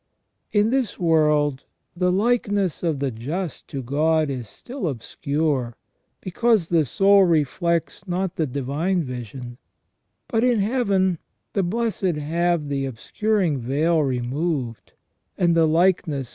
t In this world the likeness of the just to God is still obscure, because the soul reflects not the divine vision ; but in Heaven the blessed have the obscuring veil removed, and the likeness will be • S.